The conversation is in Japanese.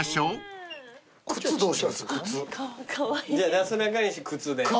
なすなかにし靴で。